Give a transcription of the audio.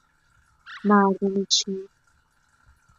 مردم چین